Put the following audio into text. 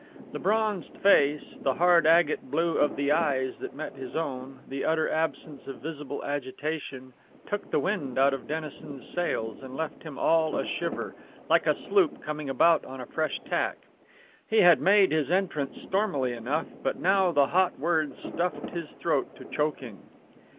The bronzed face, the hard agate blue of the eyes that met his own, the utter absence of visible agitation, took the wind out of Dennison's sails and left him all a shiver, like a sloop coming about on a fresh tack. He had made his entrance stormily enough, but now the hot words stuffed his throat to choking.